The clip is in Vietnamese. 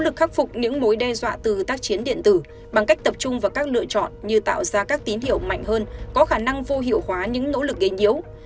nỗ lực khắc phục những mối đe dọa từ tác chiến điện tử bằng cách tập trung vào các lựa chọn như tạo ra các tín hiệu mạnh hơn có khả năng vô hiệu hóa những nỗ lực gây nhiễu